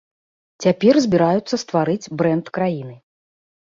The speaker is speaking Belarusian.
Цяпер збіраюцца стварыць брэнд краіны.